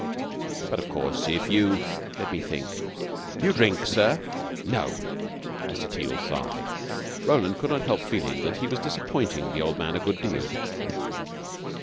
But, of course, if you . Let me think. Do you drink, sir?" "No." Mr. Teal sighed. Roland could not help feeling that he was disappointing the old man a good deal.